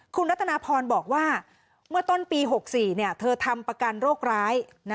คุณรัตนาพรบอกว่าเมื่อต้นปี๖๔เธอทำประกันโรคร้าย